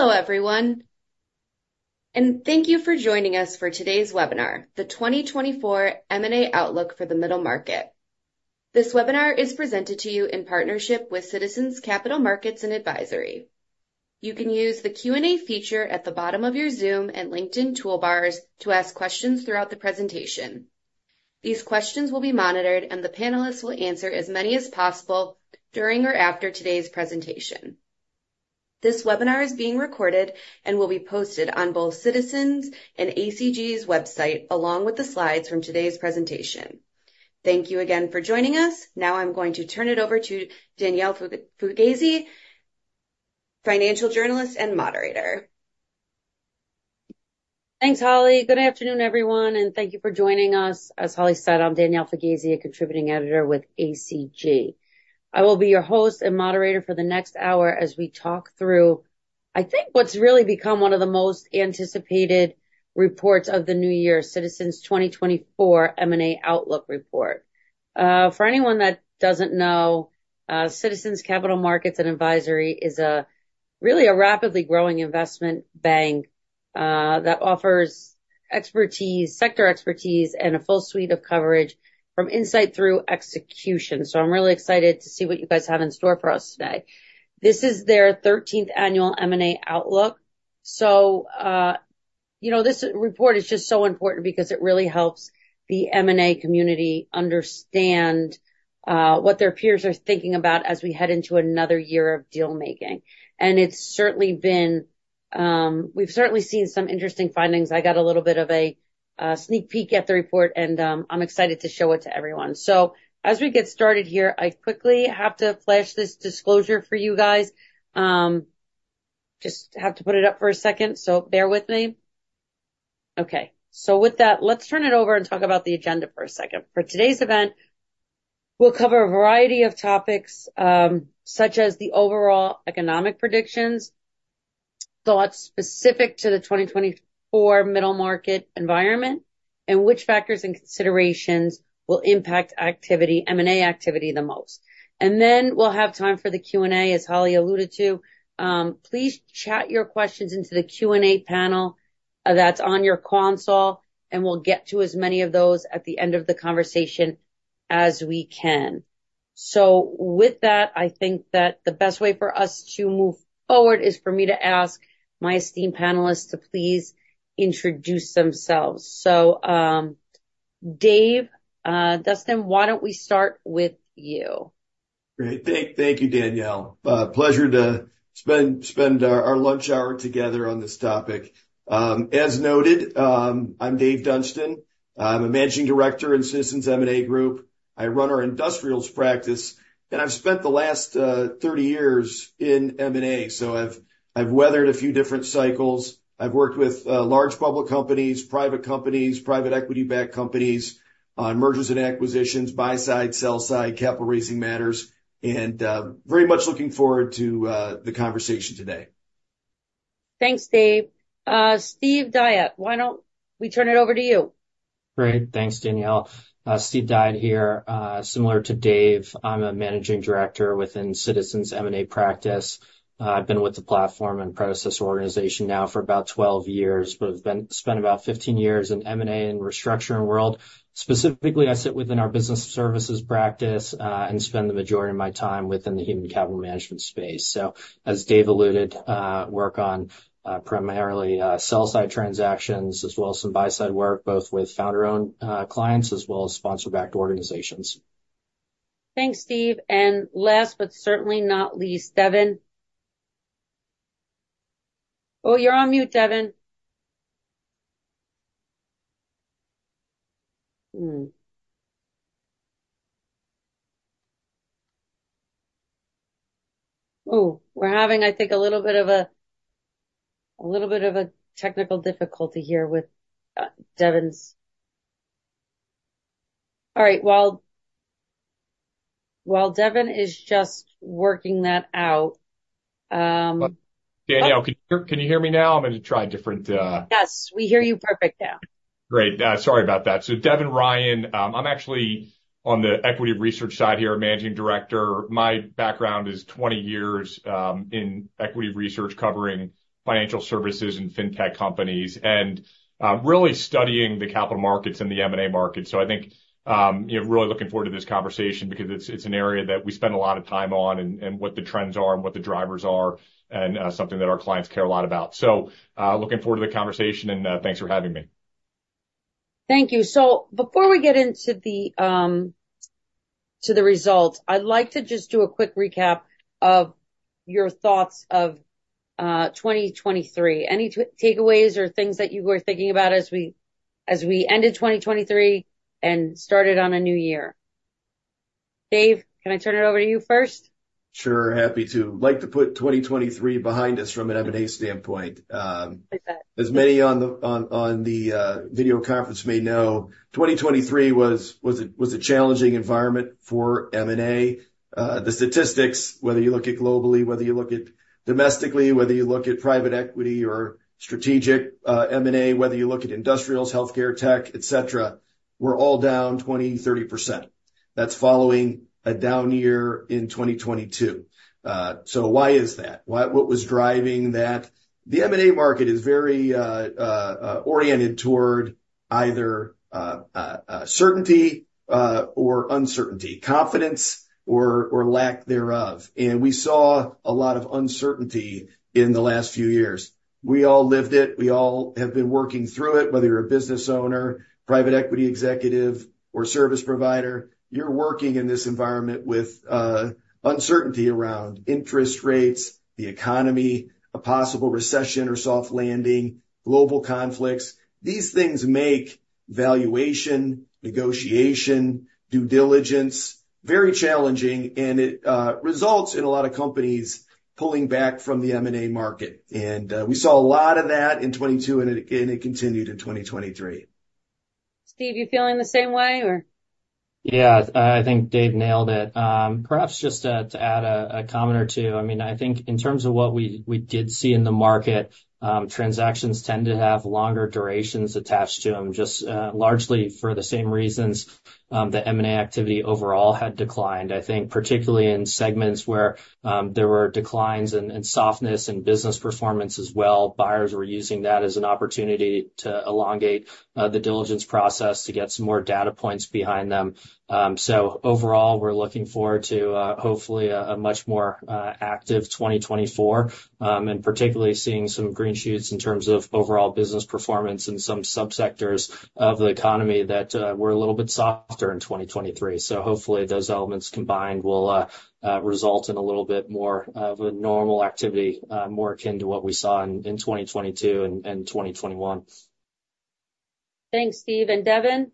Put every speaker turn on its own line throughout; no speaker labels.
Hello everyone, and thank you for joining us for today's webinar, The 2024 M&A Outlook for the Middle Market. This webinar is presented to you in partnership with Citizens Capital Markets & Advisory. You can use the Q&A feature at the bottom of your Zoom and LinkedIn toolbars to ask questions throughout the presentation. These questions will be monitored, and the panelists will answer as many as possible during or after today's presentation. This webinar is being recorded and will be posted on both Citizens and ACG's website, along with the slides from today's presentation. Thank you again for joining us. Now I'm going to turn it over to Danielle Fugazy, financial journalist and moderator.
Thanks, Holly. Good afternoon, everyone, and thank you for joining us. As Holly said, I'm Danielle Fugazy, a contributing editor with ACG. I will be your host and moderator for the next hour as we talk through, I think, what's really become one of the most anticipated reports of the new year, Citizens 2024 M&A Outlook Report. For anyone that doesn't know, Citizens Capital Markets & Advisory is really a rapidly growing investment bank that offers expertise, sector expertise, and a full suite of coverage from insight through execution, so I'm really excited to see what you guys have in store for us today. This is their 13th annual M&A Outlook, so, you know, this report is just so important because it really helps the M&A community understand what their peers are thinking about as we head into another year of dealmaking. And it's certainly been. We've certainly seen some interesting findings. I got a little bit of a sneak peek at the report, and I'm excited to show it to everyone. So as we get started here, I quickly have to flash this disclosure for you guys. Just have to put it up for a second, so bear with me. Okay, so with that, let's turn it over and talk about the agenda for a second. For today's event, we'll cover a variety of topics such as the overall economic predictions, thoughts specific to the 2024 middle market environment, and which factors and considerations will impact activity, M&A activity the most. And then we'll have time for the Q&A, as Holly alluded to. Please chat your questions into the Q&A panel that's on your console, and we'll get to as many of those at the end of the conversation as we can. With that, I think that the best way for us to move forward is for me to ask my esteemed panelists to please introduce themselves. Dave, Devin, why don't we start with you?
Great. Thank you, Danielle. Pleasure to spend our lunch hour together on this topic. As noted, I'm Dave Dunstan. I'm a managing director in Citizens M&A Group. I run our Industrials practice, and I've spent the last 30 years in M&A, so I've weathered a few different cycles. I've worked with large public companies, private companies, private equity-backed companies, mergers and acquisitions, buy-side, sell-side, capital raising matters, and very much looking forward to the conversation today.
Thanks, Dave. Steve Dyott, why don't we turn it over to you?
Great. Thanks, Danielle. Steve Dyott here. Similar to Dave, I'm a managing director within Citizens M&A practice. I've been with the platform and predecessor organization now for about 12 years, but I've spent about 15 years in M&A and restructuring world. Specifically, I sit within our Business Services practice and spend the majority of my time within the human capital management space. So as Dave alluded, I work on primarily sell-side transactions, as well as some buy-side work, both with founder-owned clients as well as sponsor-backed organizations.
Thanks, Steve. And last but certainly not least, Devin. Oh, you're on mute, Devin. Oh, we're having, I think, a little bit of a technical difficulty here with Devin's. All right. While Devin is just working that out.
Danielle, can you hear me now? I'm going to try different.
Yes, we hear you perfectly now.
Great. Sorry about that. So Devin Ryan, I'm actually on the equity research side here, Managing Director. My background is 20 years in equity research covering financial services and fintech companies and really studying the capital markets and the M&A market. So I think, you know, really looking forward to this conversation because it's an area that we spend a lot of time on and what the trends are and what the drivers are and something that our clients care a lot about. So looking forward to the conversation, and thanks for having me.
Thank you. So before we get into the results, I'd like to just do a quick recap of your thoughts of 2023. Any takeaways or things that you were thinking about as we ended 2023 and started on a new year? Dave, can I turn it over to you first?
Sure. Happy to. Like to put 2023 behind us from an M&A standpoint. As many on the video conference may know, 2023 was a challenging environment for M&A. The statistics, whether you look at globally, whether you look at domestically, whether you look at private equity or strategic M&A, whether you look at industrials, healthcare, tech, et cetera, were all down 20%-30%. That's following a down year in 2022. So why is that? What was driving that? The M&A market is very oriented toward either certainty or uncertainty, confidence or lack thereof. And we saw a lot of uncertainty in the last few years. We all lived it. We all have been working through it, whether you're a business owner, private equity executive, or service provider. You're working in this environment with uncertainty around interest rates, the economy, a possible recession or soft landing, global conflicts. These things make valuation, negotiation, due diligence very challenging, and it results in a lot of companies pulling back from the M&A market. And we saw a lot of that in 2022, and it continued in 2023.
Steve, you feeling the same way, or?
Yeah, I think Dave nailed it. Perhaps just to add a comment or two. I mean, I think in terms of what we did see in the market, transactions tend to have longer durations attached to them, just largely for the same reasons that M&A activity overall had declined. I think particularly in segments where there were declines in softness and business performance as well, buyers were using that as an opportunity to elongate the diligence process to get some more data points behind them. So overall, we're looking forward to hopefully a much more active 2024 and particularly seeing some green shoots in terms of overall business performance in some subsectors of the economy that were a little bit softer in 2023. So hopefully those elements combined will result in a little bit more of a normal activity, more akin to what we saw in 2022 and 2021.
Thanks, Steve. And Devin?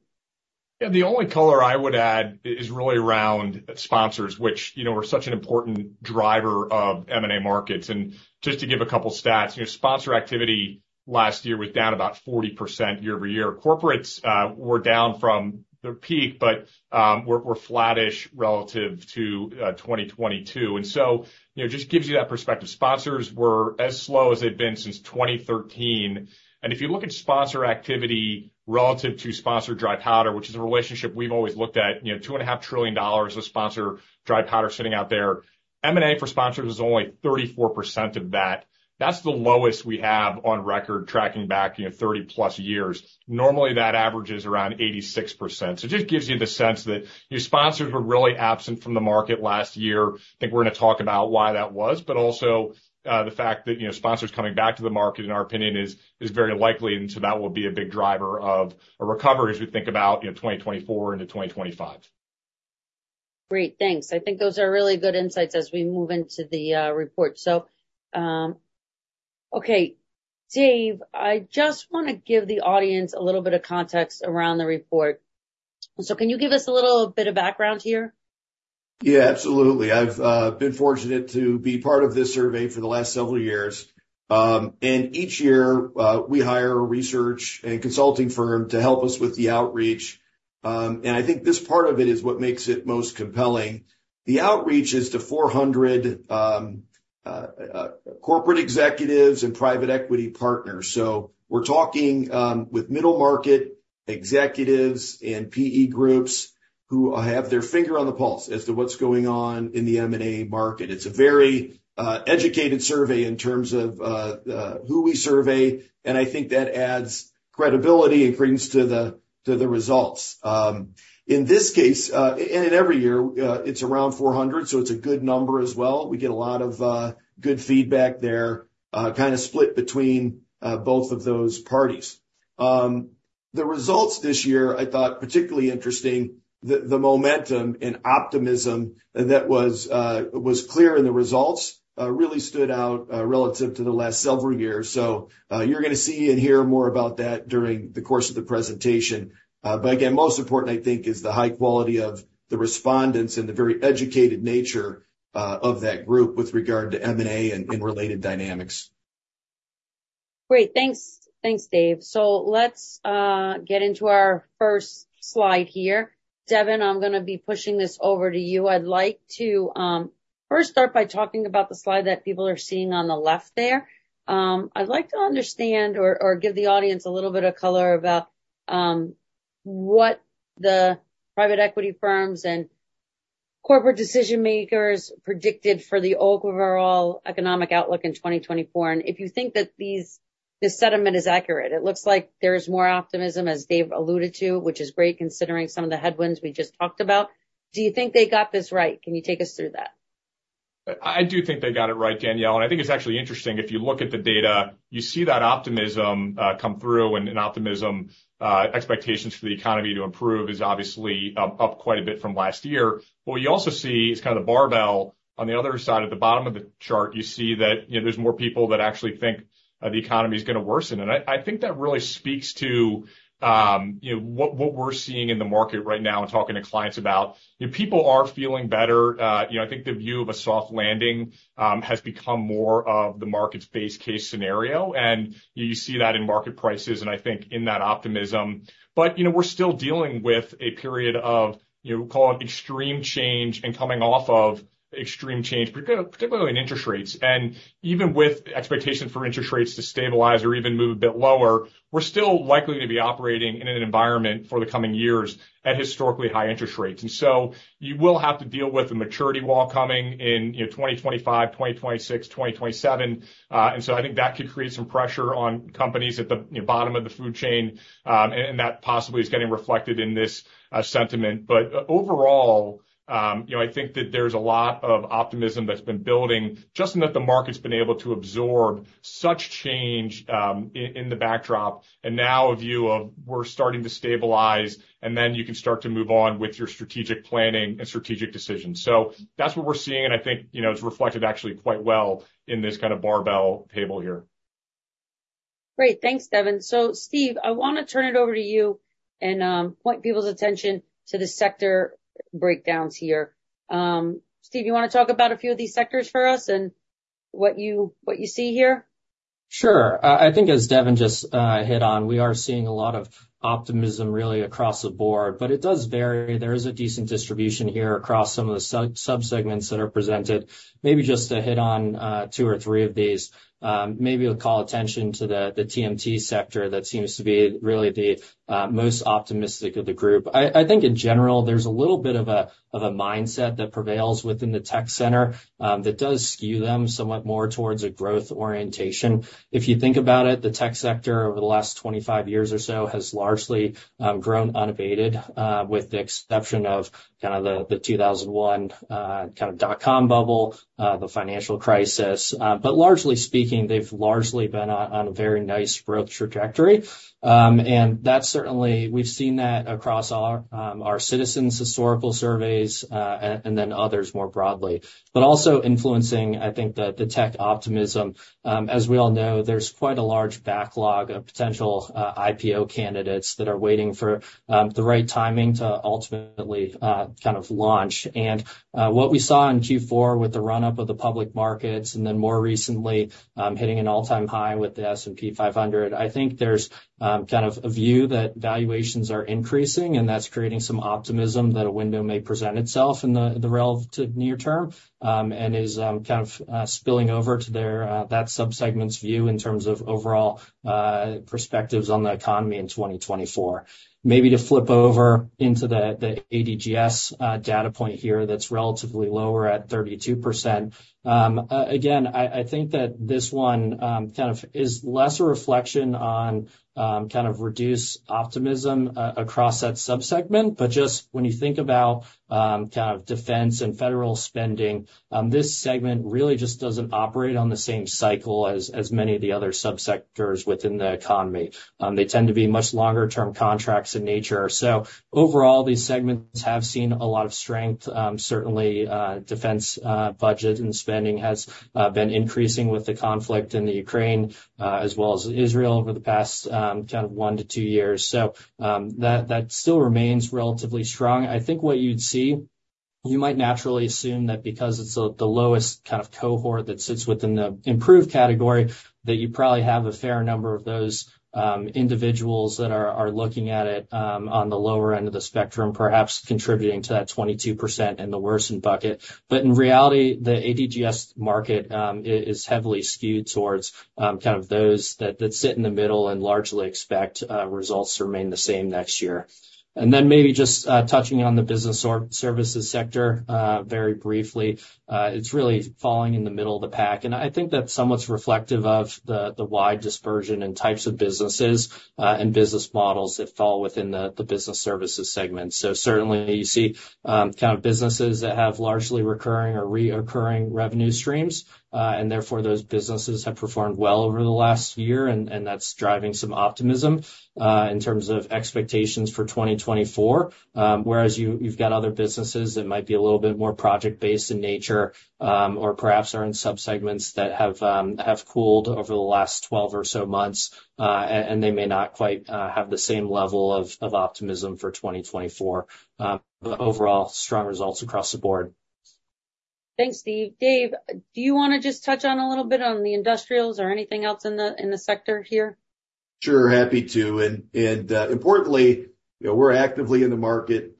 Yeah, the only color I would add is really around sponsors, which, you know, are such an important driver of M&A markets. And just to give a couple of stats, you know, sponsor activity last year was down about 40% year over year. Corporates were down from their peak, but were flattish relative to 2022. And so, you know, just gives you that perspective. Sponsors were as slow as they've been since 2013. And if you look at sponsor activity relative to sponsor dry powder, which is a relationship we've always looked at, you know, $2.5 trillion of sponsor dry powder sitting out there. M&A for sponsors is only 34% of that. That's the lowest we have on record tracking back, you know, 30-plus years. Normally that averages around 86%. So it just gives you the sense that, you know, sponsors were really absent from the market last year. I think we're going to talk about why that was, but also the fact that, you know, sponsors coming back to the market, in our opinion, is very likely. And so that will be a big driver of a recovery as we think about, you know, 2024 into 2025.
Great. Thanks. I think those are really good insights as we move into the report. So, okay, Dave, I just want to give the audience a little bit of context around the report. So can you give us a little bit of background here?
Yeah, absolutely. I've been fortunate to be part of this survey for the last several years. And each year we hire a research and consulting firm to help us with the outreach. And I think this part of it is what makes it most compelling. The outreach is to 400 corporate executives and private equity partners. So we're talking with middle market executives and PE groups who have their finger on the pulse as to what's going on in the M&A market. It's a very educated survey in terms of who we survey. And I think that adds credibility and credence to the results. In this case, and in every year, it's around 400, so it's a good number as well. We get a lot of good feedback there, kind of split between both of those parties. The results this year, I thought particularly interesting, the momentum and optimism that was clear in the results really stood out relative to the last several years. So you're going to see and hear more about that during the course of the presentation. But again, most important, I think, is the high quality of the respondents and the very educated nature of that group with regard to M&A and related dynamics.
Great. Thanks, Dave. So let's get into our first slide here. Devin, I'm going to be pushing this over to you. I'd like to first start by talking about the slide that people are seeing on the left there. I'd like to understand or give the audience a little bit of color about what the private equity firms and corporate decision makers predicted for the overall economic outlook in 2024, and if you think that this sentiment is accurate, it looks like there's more optimism, as Dave alluded to, which is great considering some of the headwinds we just talked about. Do you think they got this right? Can you take us through that?
I do think they got it right, Danielle, and I think it's actually interesting. If you look at the data, you see that optimism come through and optimism expectations for the economy to improve is obviously up quite a bit from last year, but what you also see is kind of the barbell on the other side at the bottom of the chart, you see that, you know, there's more people that actually think the economy is going to worsen, and I think that really speaks to, you know, what we're seeing in the market right now and talking to clients about. You know, people are feeling better. You know, I think the view of a soft landing has become more of the market's base case scenario, and you see that in market prices and I think in that optimism. But, you know, we're still dealing with a period of, you know, we'll call it extreme change and coming off of extreme change, particularly in interest rates. And even with expectations for interest rates to stabilize or even move a bit lower, we're still likely to be operating in an environment for the coming years at historically high interest rates. And so you will have to deal with the maturity wall coming in, you know, 2025, 2026, 2027. And so I think that could create some pressure on companies at the bottom of the food chain. And that possibly is getting reflected in this sentiment. But overall, you know, I think that there's a lot of optimism that's been building just in that the market's been able to absorb such change in the backdrop. And now, a view of where we're starting to stabilize and then you can start to move on with your strategic planning and strategic decisions. So that's what we're seeing. And I think, you know, it's reflected actually quite well in this kind of barbell table here.
Great. Thanks, Devin. So Steve, I want to turn it over to you and point people's attention to the sector breakdowns here. Steve, you want to talk about a few of these sectors for us and what you see here?
Sure. I think as Devin just hit on, we are seeing a lot of optimism really across the board, but it does vary. There is a decent distribution here across some of the subsegments that are presented. Maybe just to hit on two or three of these, maybe we'll call attention to the TMT sector that seems to be really the most optimistic of the group. I think in general, there's a little bit of a mindset that prevails within the tech sector that does skew them somewhat more towards a growth orientation. If you think about it, the tech sector over the last 25 years or so has largely grown unabated with the exception of kind of the 2001 kind of dot-com bubble, the financial crisis. But largely speaking, they've largely been on a very nice growth trajectory. And that's certainly we've seen that across our Citizens' historical surveys and then others more broadly, but also influencing, I think, the tech optimism. As we all know, there's quite a large backlog of potential IPO candidates that are waiting for the right timing to ultimately kind of launch. And what we saw in Q4 with the run-up of the public markets and then more recently hitting an all-time high with the S&P 500, I think there's kind of a view that valuations are increasing and that's creating some optimism that a window may present itself in the relative near term and is kind of spilling over to that subsegment's view in terms of overall perspectives on the economy in 2024. Maybe to flip over into the ADGS data point here that's relatively lower at 32%. Again, I think that this one kind of is less a reflection on kind of reduced optimism across that subsegment, but just when you think about kind of defense and federal spending, this segment really just doesn't operate on the same cycle as many of the other subsectors within the economy. They tend to be much longer-term contracts in nature. So overall, these segments have seen a lot of strength. Certainly, defense budget and spending has been increasing with the conflict in Ukraine as well as Israel over the past kind of one to two years, so that still remains relatively strong. I think what you'd see, you might naturally assume that because it's the lowest kind of cohort that sits within the improved category, that you probably have a fair number of those individuals that are looking at it on the lower end of the spectrum, perhaps contributing to that 22% in the worsened bucket. But in reality, the ADGS market is heavily skewed towards kind of those that sit in the middle and largely expect results to remain the same next year. And then maybe just touching on the business services sector very briefly, it's really falling in the middle of the pack. And I think that's somewhat reflective of the wide dispersion and types of businesses and business models that fall within the business services segment. So certainly, you see kind of businesses that have largely recurring or reoccurring revenue streams. And therefore, those businesses have performed well over the last year. And that's driving some optimism in terms of expectations for 2024. Whereas you've got other businesses that might be a little bit more project-based in nature or perhaps are in subsegments that have cooled over the last 12 or so months. And they may not quite have the same level of optimism for 2024, but overall strong results across the board.
Thanks, Steve. Dave, do you want to just touch on a little bit on the industrials or anything else in the sector here?
Sure, happy to. And importantly, you know, we're actively in the market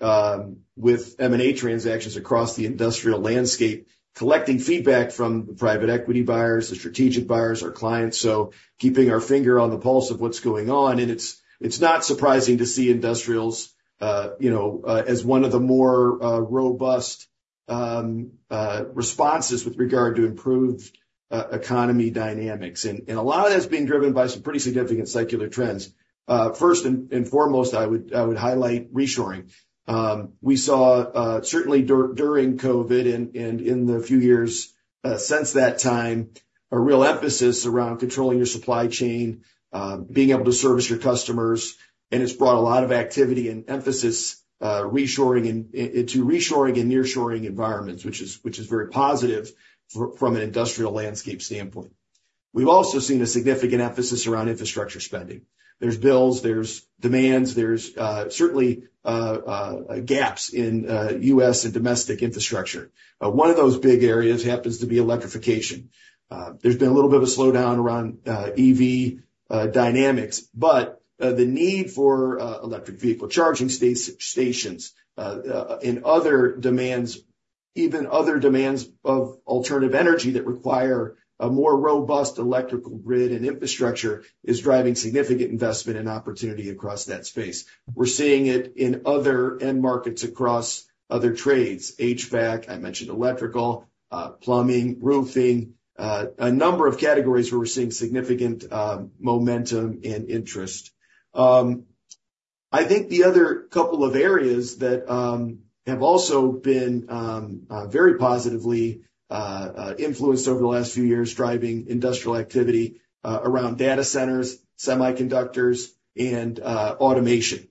with M&A transactions across the industrial landscape, collecting feedback from the private equity buyers, the strategic buyers, our clients. So keeping our finger on the pulse of what's going on. And it's not surprising to see industrials, you know, as one of the more robust responses with regard to improved economy dynamics. And a lot of that's being driven by some pretty significant secular trends. First and foremost, I would highlight reshoring. We saw certainly during COVID and in the few years since that time, a real emphasis around controlling your supply chain, being able to service your customers. And it's brought a lot of activity and emphasis into reshoring and nearshoring environments, which is very positive from an industrial landscape standpoint. We've also seen a significant emphasis around infrastructure spending. There's bills, there's demands, there's certainly gaps in U.S. and domestic infrastructure. One of those big areas happens to be electrification. There's been a little bit of a slowdown around EV dynamics, but the need for electric vehicle charging stations and other demands, even other demands of alternative energy that require a more robust electrical grid and infrastructure is driving significant investment and opportunity across that space. We're seeing it in other end markets across other trades, HVAC, I mentioned electrical, plumbing, roofing, a number of categories where we're seeing significant momentum and interest. I think the other couple of areas that have also been very positively influenced over the last few years driving industrial activity around data centers, semiconductors, and automation.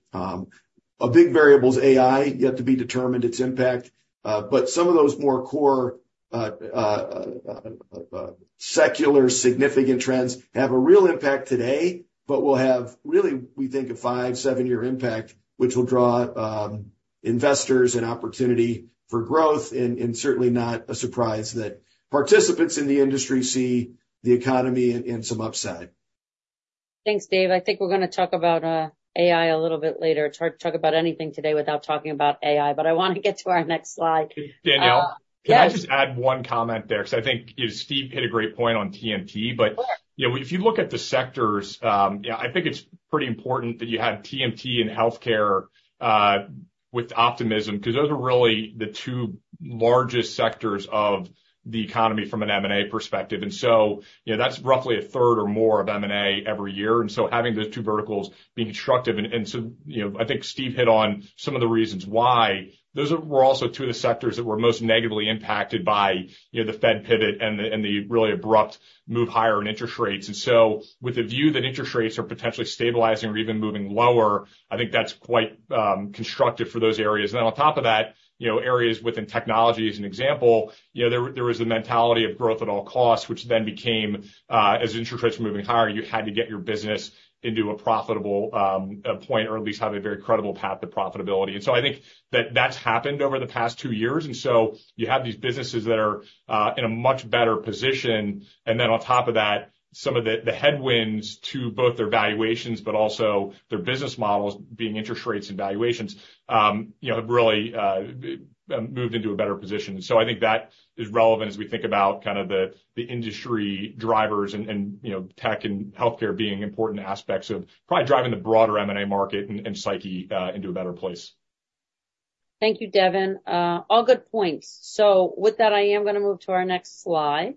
A big variable is AI, yet to be determined its impact. Some of those more core secular significant trends have a real impact today, but will have really, we think, a five- to seven-year impact, which will draw investors and opportunity for growth. Certainly not a surprise that participants in the industry see the economy in some upside.
Thanks, Dave. I think we're going to talk about AI a little bit later. It's hard to talk about anything today without talking about AI, but I want to get to our next slide.
Danielle, can I just add one comment there? Because I think Steve hit a great point on TMT. But, you know, if you look at the sectors, I think it's pretty important that you had TMT and healthcare with optimism because those are really the two largest sectors of the economy from an M&A perspective. And so, you know, that's roughly a third or more of M&A every year. And so having those two verticals being constructive. And so, you know, I think Steve hit on some of the reasons why. Those were also two of the sectors that were most negatively impacted by, you know, the Fed pivot and the really abrupt move higher in interest rates. And so with the view that interest rates are potentially stabilizing or even moving lower, I think that's quite constructive for those areas. And then on top of that, you know, areas within technology as an example, you know, there was the mentality of growth at all costs, which then became, as interest rates were moving higher, you had to get your business into a profitable point or at least have a very credible path to profitability. And so I think that that's happened over the past two years. And so you have these businesses that are in a much better position. And then on top of that, some of the headwinds to both their valuations, but also their business models being interest rates and valuations, you know, have really moved into a better position. So I think that is relevant as we think about kind of the industry drivers and, you know, tech and healthcare being important aspects of probably driving the broader M&A market and psyche into a better place.
Thank you, Devin. All good points. So with that, I am going to move to our next slide,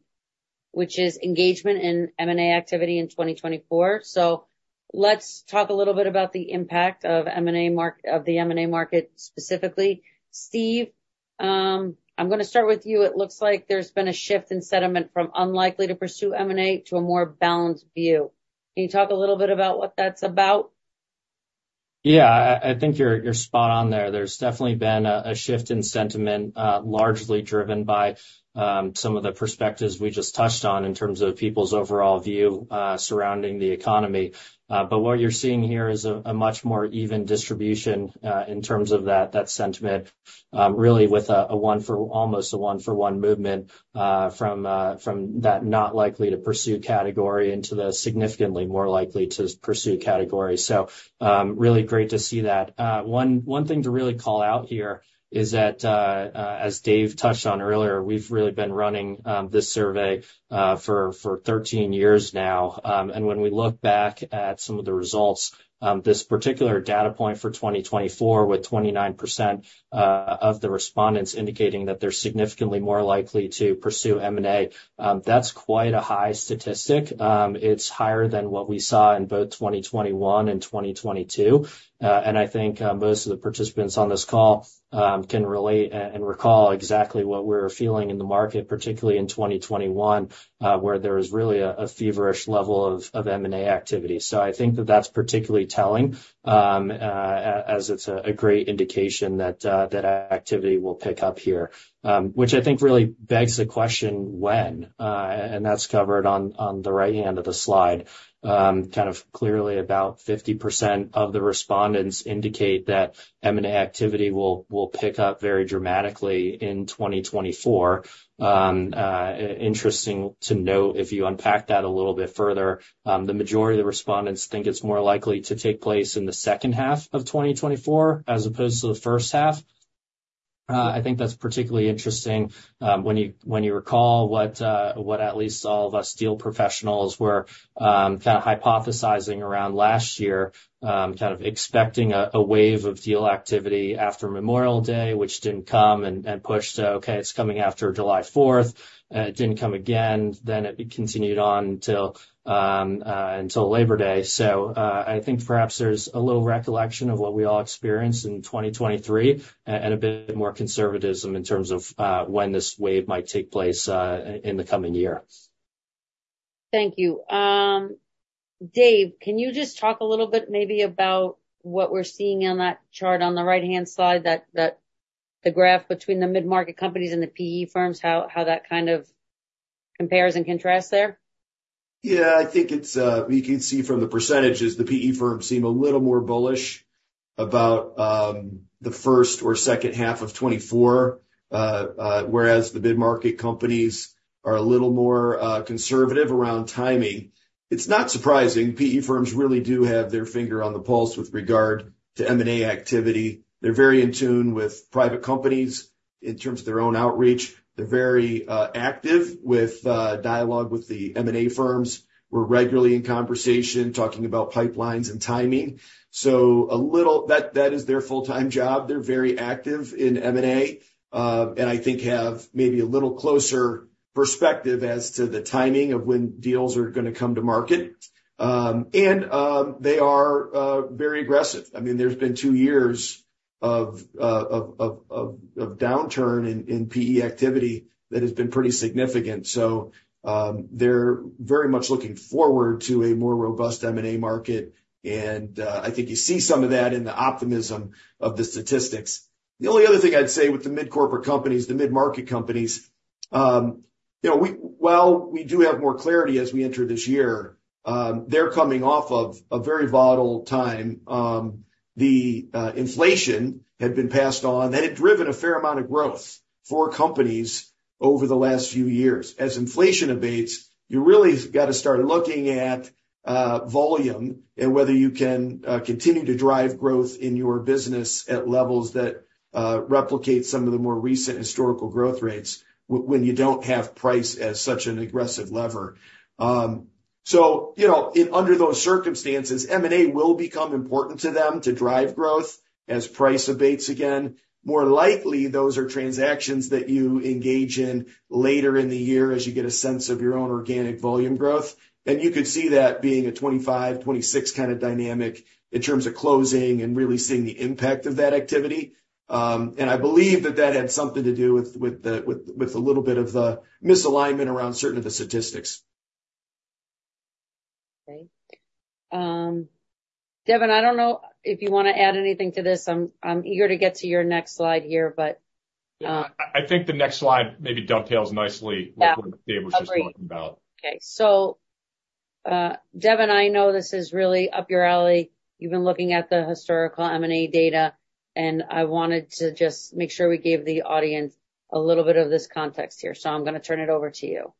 which is engagement in M&A activity in 2024. So let's talk a little bit about the impact of the M&A market specifically. Steve, I'm going to start with you. It looks like there's been a shift in sentiment from unlikely to pursue M&A to a more balanced view. Can you talk a little bit about what that's about?
Yeah, I think you're spot on there. There's definitely been a shift in sentiment largely driven by some of the perspectives we just touched on in terms of people's overall view surrounding the economy. But what you're seeing here is a much more even distribution in terms of that sentiment, really with a one for almost a one for one movement from that not likely to pursue category into the significantly more likely to pursue category. So really great to see that. One thing to really call out here is that, as Dave touched on earlier, we've really been running this survey for 13 years now. And when we look back at some of the results, this particular data point for 2024 with 29% of the respondents indicating that they're significantly more likely to pursue M&A, that's quite a high statistic. It's higher than what we saw in both 2021 and 2022, and I think most of the participants on this call can relate and recall exactly what we're feeling in the market, particularly in 2021, where there was really a feverish level of M&A activity. So I think that that's particularly telling as it's a great indication that that activity will pick up here, which I think really begs the question when, and that's covered on the right hand of the slide. Kind of clearly about 50% of the respondents indicate that M&A activity will pick up very dramatically in 2024. Interesting to note if you unpack that a little bit further, the majority of the respondents think it's more likely to take place in the second half of 2024 as opposed to the first half. I think that's particularly interesting when you recall what at least all of us deal professionals were kind of hypothesizing around last year, kind of expecting a wave of deal activity after Memorial Day, which didn't come and pushed to, okay, it's coming after July 4th. It didn't come again. Then it continued on until Labor Day. So I think perhaps there's a little recollection of what we all experienced in 2023 and a bit more conservatism in terms of when this wave might take place in the coming year.
Thank you. Dave, can you just talk a little bit maybe about what we're seeing on that chart on the right-hand side, the graph between the mid-market companies and the PE firms, how that kind of compares and contrasts there?
Yeah, I think it's you can see from the percentages, the PE firms seem a little more bullish about the first or second half of 2024, whereas the mid-market companies are a little more conservative around timing. It's not surprising. PE firms really do have their finger on the pulse with regard to M&A activity. They're very in tune with private companies in terms of their own outreach. They're very active with dialogue with the M&A firms. We're regularly in conversation talking about pipelines and timing. So a little that is their full-time job. They're very active in M&A and I think have maybe a little closer perspective as to the timing of when deals are going to come to market, and they are very aggressive. I mean, there's been two years of downturn in PE activity that has been pretty significant. So they're very much looking forward to a more robust M&A market. And I think you see some of that in the optimism of the statistics. The only other thing I'd say with the mid-corporate companies, the mid-market companies, you know, while we do have more clarity as we enter this year, they're coming off of a very volatile time. The inflation had been passed on that had driven a fair amount of growth for companies over the last few years. As inflation abates, you really got to start looking at volume and whether you can continue to drive growth in your business at levels that replicate some of the more recent historical growth rates when you don't have price as such an aggressive lever. So, you know, under those circumstances, M&A will become important to them to drive growth as price abates again. More likely, those are transactions that you engage in later in the year as you get a sense of your own organic volume growth, and you could see that being a 2025, 2026 kind of dynamic in terms of closing and really seeing the impact of that activity, and I believe that that had something to do with a little bit of the misalignment around certain of the statistics.
Okay. Devin, I don't know if you want to add anything to this. I'm eager to get to your next slide here, but.
I think the next slide maybe dovetails nicely with what Dave was just talking about.
Okay, so Devin, I know this is really up your alley. You've been looking at the historical M&A data, and I wanted to just make sure we gave the audience a little bit of this context here, so I'm going to turn it over to you.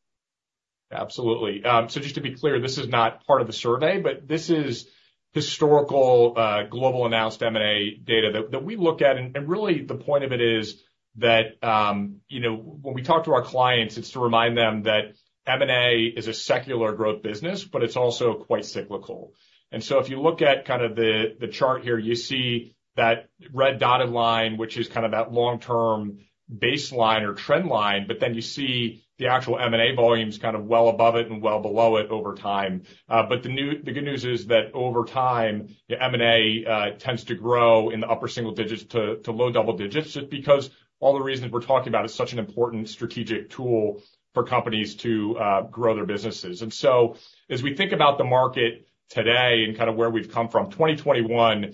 Absolutely. So just to be clear, this is not part of the survey, but this is historical global announced M&A data that we look at. And really the point of it is that, you know, when we talk to our clients, it's to remind them that M&A is a secular growth business, but it's also quite cyclical. And so if you look at kind of the chart here, you see that red dotted line, which is kind of that long-term baseline or trend line, but then you see the actual M&A volumes kind of well above it and well below it over time. But the good news is that over time, M&A tends to grow in the upper single digits to low double digits just because all the reasons we're talking about is such an important strategic tool for companies to grow their businesses. And so as we think about the market today and kind of where we've come from, 2021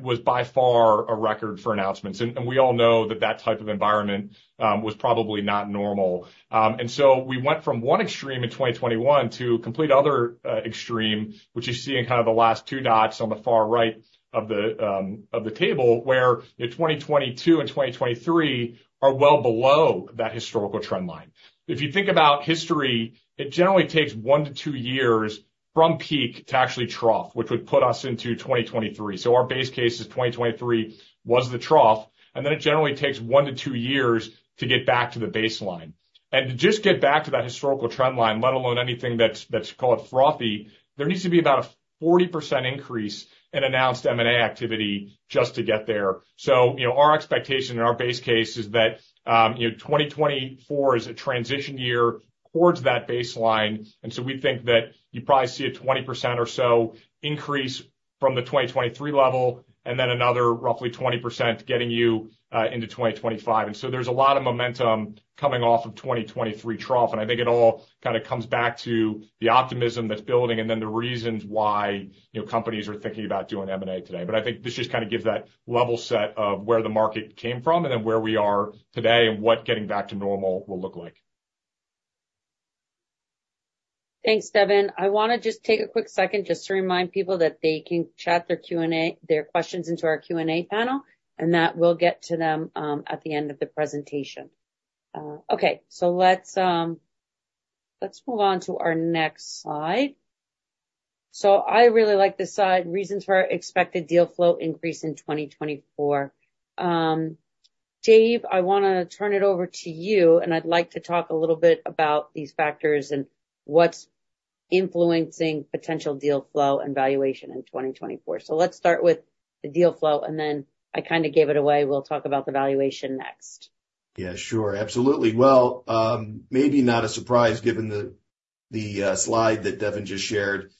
was by far a record for announcements. And we all know that that type of environment was probably not normal. And so we went from one extreme in 2021 to a complete other extreme, which you see in kind of the last two dots on the far right of the table, where 2022 and 2023 are well below that historical trend line. If you think about history, it generally takes one to two years from peak to actually trough, which would put us into 2023. So our base case is 2023 was the trough. And then it generally takes one to two years to get back to the baseline. To just get back to that historical trend line, let alone anything that's called frothy, there needs to be about a 40% increase in announced M&A activity just to get there. You know, our expectation and our base case is that, you know, 2024 is a transition year towards that baseline. And so we think that you probably see a 20% or so increase from the 2023 level and then another roughly 20% getting you into 2025. And so there's a lot of momentum coming off of 2023 trough. And I think it all kind of comes back to the optimism that's building and then the reasons why, you know, companies are thinking about doing M&A today. But I think this just kind of gives that level set of where the market came from and then where we are today and what getting back to normal will look like.
Thanks, Devin. I want to just take a quick second just to remind people that they can chat their questions into our Q&A panel, and that we'll get to them at the end of the presentation. Okay. So let's move on to our next slide. So I really like this slide, reasons for expected deal flow increase in 2024. Dave, I want to turn it over to you, and I'd like to talk a little bit about these factors and what's influencing potential deal flow and valuation in 2024. So let's start with the deal flow, and then I kind of gave it away. We'll talk about the valuation next.
Yeah, sure. Absolutely. Well, maybe not a surprise given the slide that Devin just shared.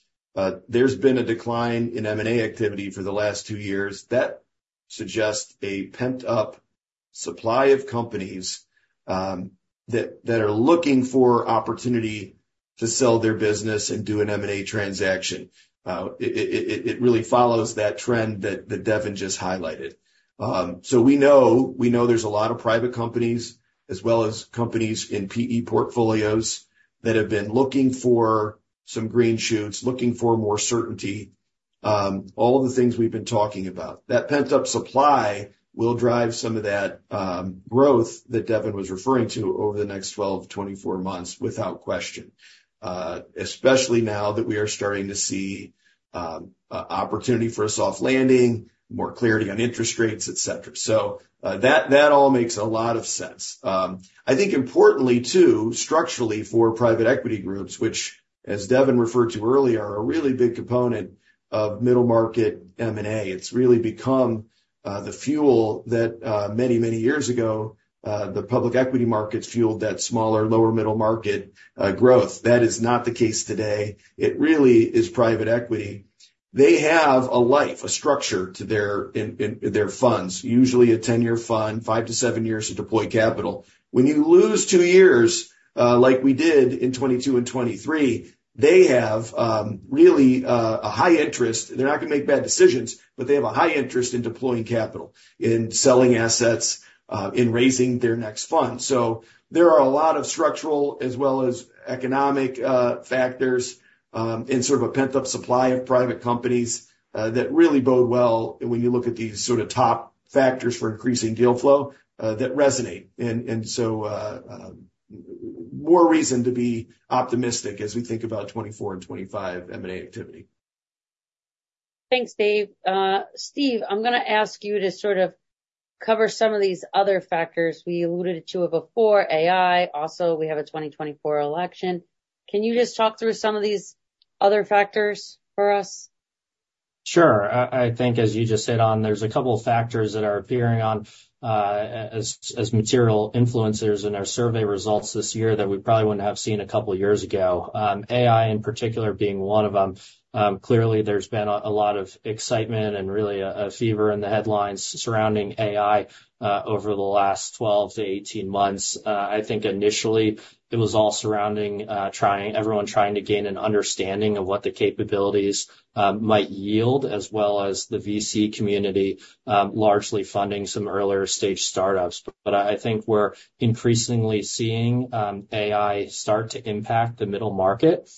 There's been a decline in M&A activity for the last two years that suggests a pent-up supply of companies that are looking for opportunity to sell their business and do an M&A transaction. It really follows that trend that Devin just highlighted. So we know there's a lot of private companies as well as companies in PE portfolios that have been looking for some green shoots, looking for more certainty, all the things we've been talking about. That pent-up supply will drive some of that growth that Devin was referring to over the next 12-24 months without question, especially now that we are starting to see opportunity for a soft landing, more clarity on interest rates, et cetera. So that all makes a lot of sense. I think importantly too, structurally for private equity groups, which, as Devin referred to earlier, are a really big component of middle market M&A. It's really become the fuel that many, many years ago, the public equity markets fueled that smaller, lower middle market growth. That is not the case today. It really is private equity. They have a life, a structure to their funds, usually a 10-year fund, five to seven years to deploy capital. When you lose two years, like we did in 2022 and 2023, they have really a high interest. They're not going to make bad decisions, but they have a high interest in deploying capital, in selling assets, in raising their next fund. So there are a lot of structural as well as economic factors and sort of a pent-up supply of private companies that really bode well when you look at these sort of top factors for increasing deal flow that resonate. And so more reason to be optimistic as we think about 2024 and 2025 M&A activity.
Thanks, Dave. Steve, I'm going to ask you to sort of cover some of these other factors. We alluded to it before, AI. Also, we have a 2024 election. Can you just talk through some of these other factors for us?
Sure. I think as you just hit on, there's a couple of factors that are appearing as material influencers in our survey results this year that we probably wouldn't have seen a couple of years ago. AI in particular being one of them. Clearly, there's been a lot of excitement and really a fever in the headlines surrounding AI over the last 12 to 18 months. I think initially it was all surrounding everyone trying to gain an understanding of what the capabilities might yield as well as the VC community largely funding some earlier stage startups. But I think we're increasingly seeing AI start to impact the middle market.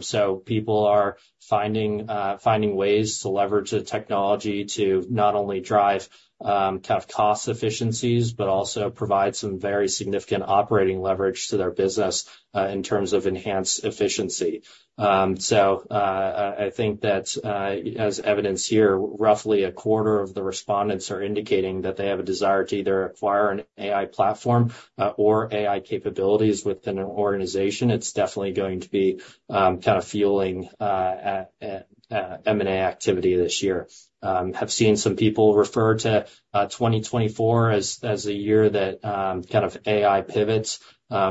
So people are finding ways to leverage the technology to not only drive kind of cost efficiencies, but also provide some very significant operating leverage to their business in terms of enhanced efficiency. So I think that as evidence here, roughly a quarter of the respondents are indicating that they have a desire to either acquire an AI platform or AI capabilities within an organization. It's definitely going to be kind of fueling M&A activity this year. I have seen some people refer to 2024 as a year that kind of AI pivots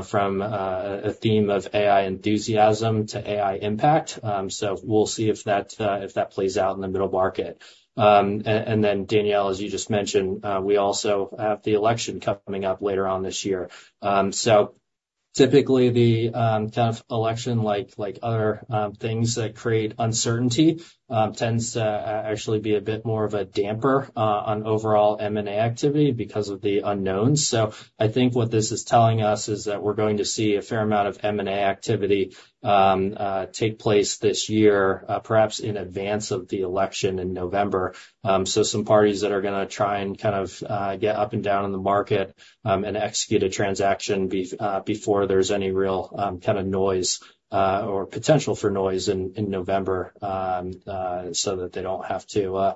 from a theme of AI enthusiasm to AI impact. So we'll see if that plays out in the middle market. And then Danielle, as you just mentioned, we also have the election coming up later on this year. So typically the kind of election, like other things that create uncertainty, tends to actually be a bit more of a damper on overall M&A activity because of the unknowns. I think what this is telling us is that we're going to see a fair amount of M&A activity take place this year, perhaps in advance of the election in November. Some parties are going to try and kind of get up and down in the market and execute a transaction before there's any real kind of noise or potential for noise in November so that they don't have to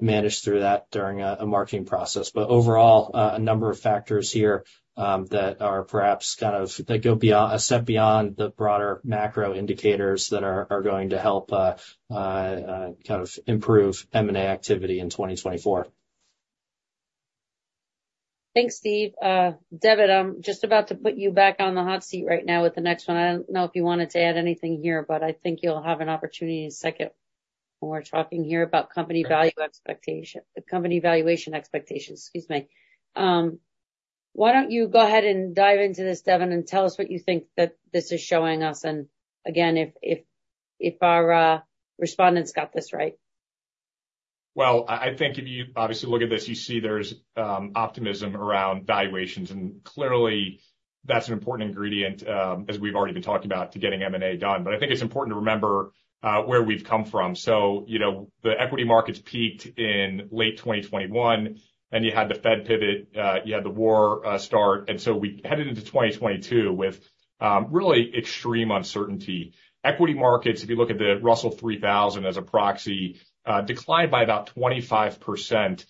manage through that during a marketing process. Overall, a number of factors here that are perhaps kind of that go beyond a step beyond the broader macro indicators that are going to help kind of improve M&A activity in 2024.
Thanks, Steve. Devin, I'm just about to put you back on the hot seat right now with the next one. I don't know if you wanted to add anything here, but I think you'll have an opportunity in a second when we're talking here about company value expectation, company valuation expectations, excuse me. Why don't you go ahead and dive into this, Devin, and tell us what you think that this is showing us? And again, if our respondents got this right.
I think if you obviously look at this, you see there's optimism around valuations. Clearly, that's an important ingredient, as we've already been talking about, to getting M&A done. I think it's important to remember where we've come from. You know, the equity markets peaked in late 2021, and you had the Fed pivot, you had the war start. We headed into 2022 with really extreme uncertainty. Equity markets, if you look at the Russell 3000 as a proxy, declined by about 25%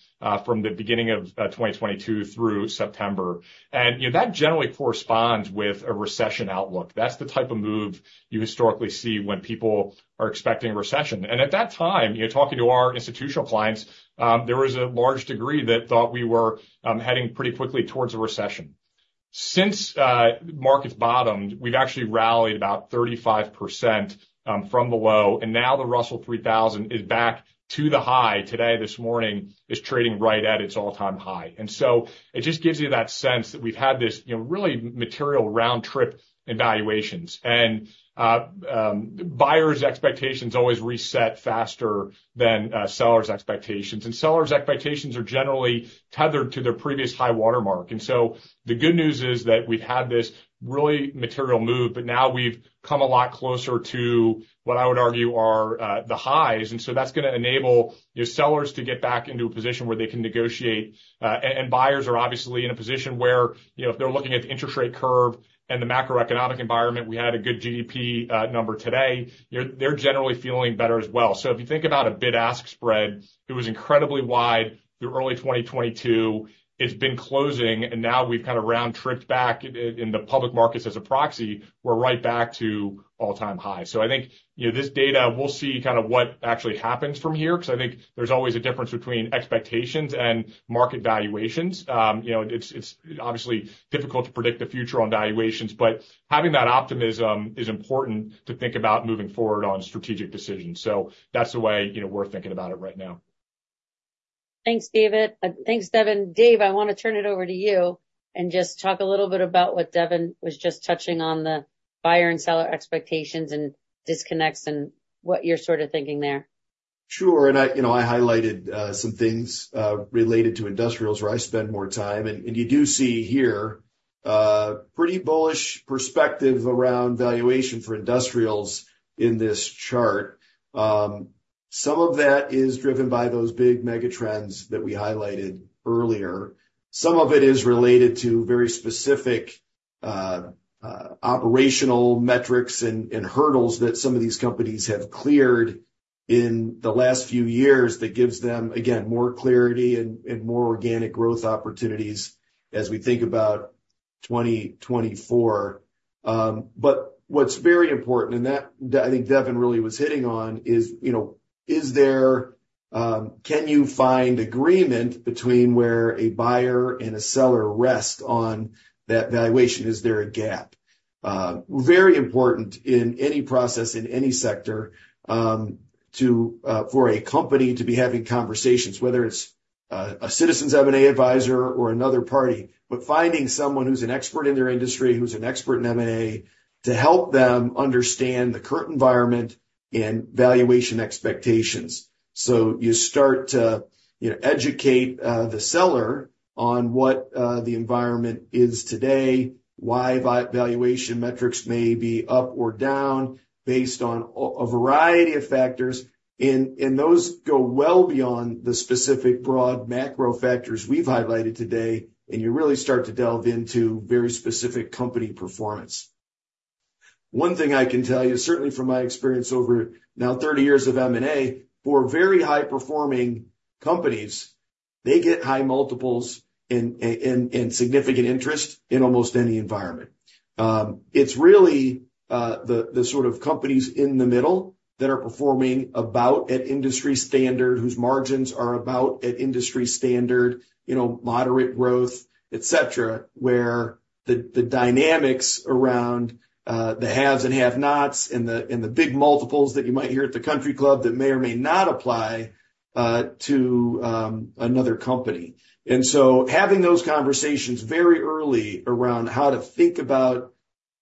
from the beginning of 2022 through September. You know, that generally corresponds with a recession outlook. That's the type of move you historically see when people are expecting a recession. At that time, you know, talking to our institutional clients, there was a large degree that thought we were heading pretty quickly towards a recession. Since markets bottomed, we've actually rallied about 35% from below. And now the Russell 3000 is back to the high today. This morning is trading right at its all-time high. And so it just gives you that sense that we've had this, you know, really material round trip in valuations. And buyers' expectations always reset faster than sellers' expectations. And sellers' expectations are generally tethered to their previous high-water mark. And so the good news is that we've had this really material move, but now we've come a lot closer to what I would argue are the highs. And so that's going to enable, you know, sellers to get back into a position where they can negotiate. Buyers are obviously in a position where, you know, if they're looking at the interest rate curve and the macroeconomic environment, we had a good GDP number today, you know, they're generally feeling better as well. So if you think about a bid-ask spread, it was incredibly wide through early 2022. It's been closing, and now we've kind of round-tripped back in the public markets as a proxy. We're right back to all-time high. So I think, you know, this data, we'll see kind of what actually happens from here, because I think there's always a difference between expectations and market valuations. You know, it's obviously difficult to predict the future on valuations, but having that optimism is important to think about moving forward on strategic decisions. So that's the way, you know, we're thinking about it right now.
Thanks, Dave. Thanks, Devin. Dave, I want to turn it over to you and just talk a little bit about what Devin was just touching on, the buyer and seller expectations and disconnects and what you're sort of thinking there.
Sure. And I, you know, I highlighted some things related to industrials where I spend more time. And you do see here a pretty bullish perspective around valuation for industrials in this chart. Some of that is driven by those big megatrends that we highlighted earlier. Some of it is related to very specific operational metrics and hurdles that some of these companies have cleared in the last few years that gives them, again, more clarity and more organic growth opportunities as we think about 2024. But what's very important, and that I think Devin really was hitting on, is, you know, is there, can you find agreement between where a buyer and a seller rest on that valuation? Is there a gap? Very important in any process, in any sector, for a company to be having conversations, whether it's a Citizens' M&A advisor or another party, but finding someone who's an expert in their industry, who's an expert in M&A, to help them understand the current environment and valuation expectations, so you start to, you know, educate the seller on what the environment is today, why valuation metrics may be up or down based on a variety of factors, and those go well beyond the specific broad macro factors we've highlighted today, and you really start to delve into very specific company performance. One thing I can tell you, certainly from my experience over now 30 years of M&A, for very high-performing companies, they get high multiples and significant interest in almost any environment. It's really the sort of companies in the middle that are performing about at industry standard, whose margins are about at industry standard, you know, moderate growth, et cetera, where the dynamics around the haves and have-nots and the big multiples that you might hear at the country club that may or may not apply to another company and so having those conversations very early around how to think about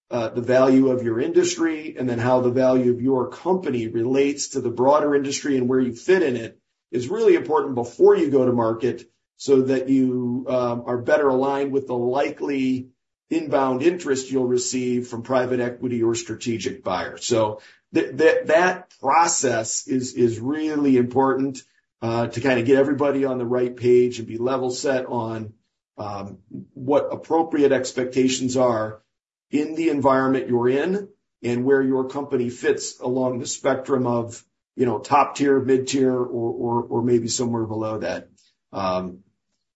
the value of your industry and then how the value of your company relates to the broader industry and where you fit in it is really important before you go to market so that you are better aligned with the likely inbound interest you'll receive from private equity or strategic buyers. So that process is really important to kind of get everybody on the right page and be level set on what appropriate expectations are in the environment you're in and where your company fits along the spectrum of, you know, top tier, mid-tier, or maybe somewhere below that.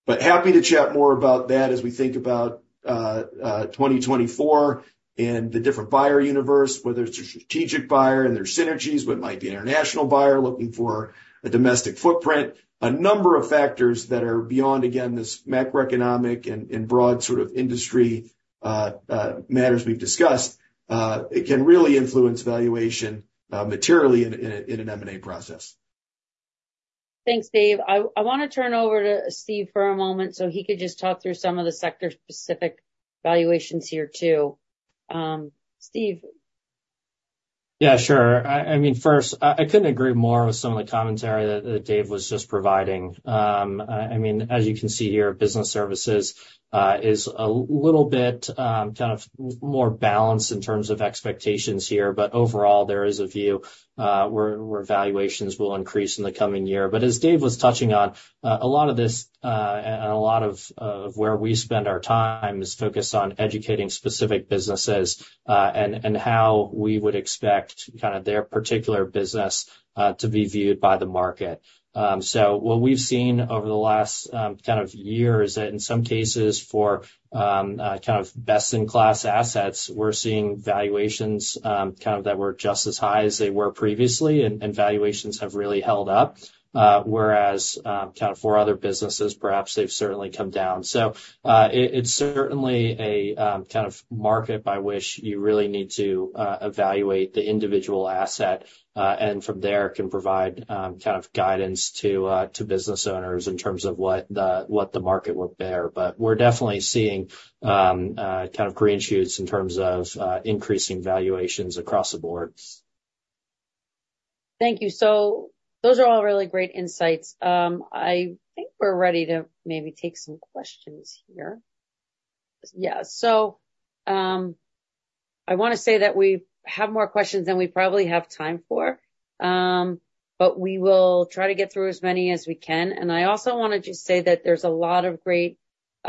But happy to chat more about that as we think about 2024 and the different buyer universe, whether it's a strategic buyer and their synergies, what might be an international buyer looking for a domestic footprint, a number of factors that are beyond, again, this macroeconomic and broad sort of industry matters we've discussed, it can really influence valuation materially in an M&A process.
Thanks, Dave. I want to turn over to Steve for a moment so he could just talk through some of the sector-specific valuations here too. Steve.
Yeah, sure. I mean, first, I couldn't agree more with some of the commentary that Dave was just providing. I mean, as you can see here, business services is a little bit kind of more balanced in terms of expectations here. But overall, there is a view where valuations will increase in the coming year. But as Dave was touching on, a lot of this and a lot of where we spend our time is focused on educating specific businesses and how we would expect kind of their particular business to be viewed by the market. So what we've seen over the last kind of year is that in some cases for kind of best-in-class assets, we're seeing valuations kind of that were just as high as they were previously. And valuations have really held up, whereas kind of for other businesses, perhaps they've certainly come down. So it's certainly a kind of market by which you really need to evaluate the individual asset and from there can provide kind of guidance to business owners in terms of what the market will bear. But we're definitely seeing kind of green shoots in terms of increasing valuations across the board.
Thank you, so those are all really great insights. I think we're ready to maybe take some questions here. Yeah, so I want to say that we have more questions than we probably have time for, but we will try to get through as many as we can, and I also want to just say that there's a lot of great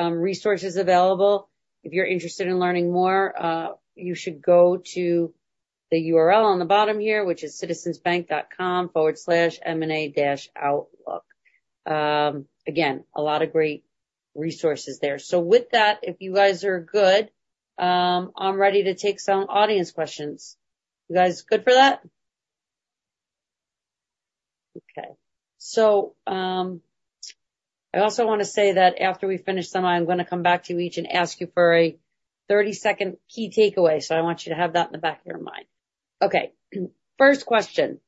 resources available. If you're interested in learning more, you should go to the URL on the bottom here, which is citizensbank.com/ma-outlook. Again, a lot of great resources there, so with that, if you guys are good, I'm ready to take some audience questions. You guys good for that? Okay, so I also want to say that after we finish some, I'm going to come back to each and ask you for a 30-second key takeaway. So I want you to have that in the back of your mind. Okay. First question.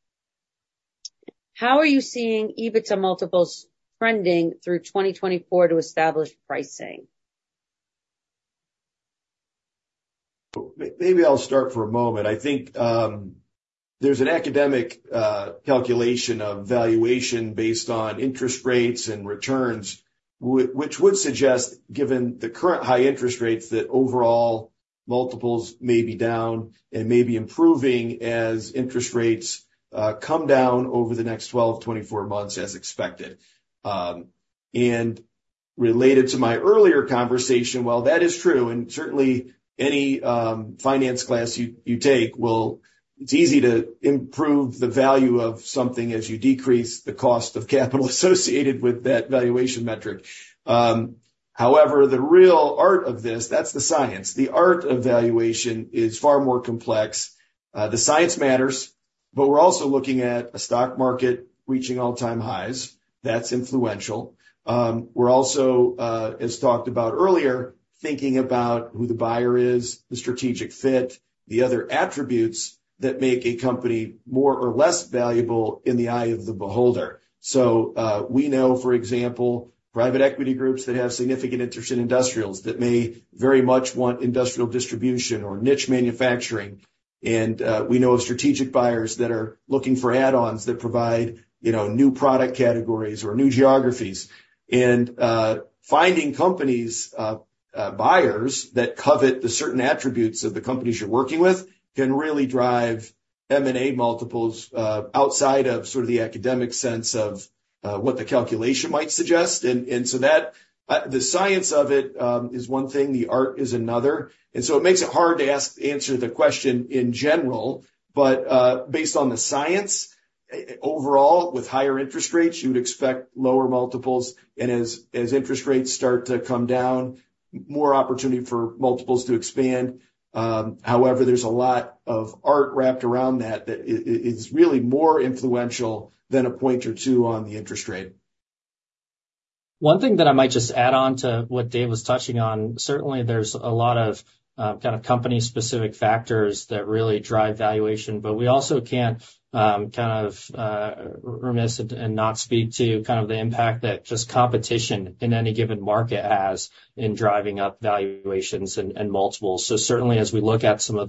How are you seeing EBITDA multiples trending through 2024 to establish pricing?
Maybe I'll start for a moment. I think there's an academic calculation of valuation based on interest rates and returns, which would suggest, given the current high interest rates, that overall multiples may be down and may be improving as interest rates come down over the next 12 to 24 months as expected. And related to my earlier conversation, well, that is true. And certainly any finance class you take, it's easy to improve the value of something as you decrease the cost of capital associated with that valuation metric. However, the real art of this, that's the science. The art of valuation is far more complex. The science matters, but we're also looking at a stock market reaching all-time highs. That's influential. We're also, as talked about earlier, thinking about who the buyer is, the strategic fit, the other attributes that make a company more or less valuable in the eye of the beholder. So we know, for example, private equity groups that have significant interest in industrials that may very much want industrial distribution or niche manufacturing. And we know of strategic buyers that are looking for add-ons that provide, you know, new product categories or new geographies. And finding companies, buyers that covet the certain attributes of the companies you're working with can really drive M&A multiples outside of sort of the academic sense of what the calculation might suggest. And so that the science of it is one thing, the art is another. And so it makes it hard to answer the question in general. But based on the science, overall, with higher interest rates, you would expect lower multiples. And as interest rates start to come down, more opportunity for multiples to expand. However, there's a lot of art wrapped around that that is really more influential than a point or two on the interest rate.
One thing that I might just add on to what Dave was touching on, certainly there's a lot of kind of company-specific factors that really drive valuation, but we also can't kind of reminisce and not speak to kind of the impact that just competition in any given market has in driving up valuations and multiples. So certainly, as we look at some of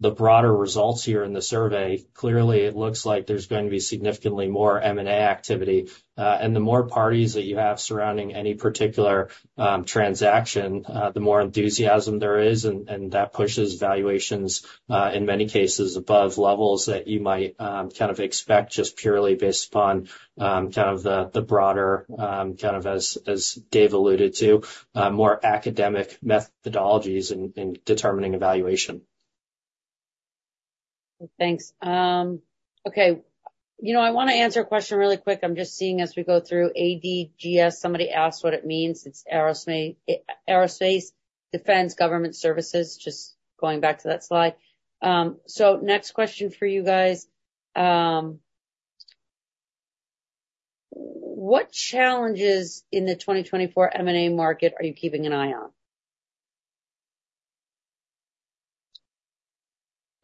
the broader results here in the survey, clearly, it looks like there's going to be significantly more M&A activity. And the more parties that you have surrounding any particular transaction, the more enthusiasm there is. And that pushes valuations in many cases above levels that you might kind of expect just purely based upon kind of the broader, kind of as Dave alluded to, more academic methodologies in determining valuation.
Thanks. Okay. You know, I want to answer a question really quick. I'm just seeing as we go through ADGS, somebody asked what it means. It's Aerospace Defense Government Services, just going back to that slide. So next question for you guys. What challenges in the 2024 M&A market are you keeping an eye on?